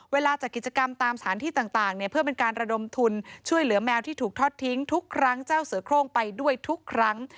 เวลาจัดกิจกรรมตามสถานที่ต่างเนี่ยเพื่อเป็นการระดมทุนช่วยเหลือแมวที่ถูกทอดทิ้งทุกครั้งเจ้าเสือโครงไปด้วยทุกครั้ง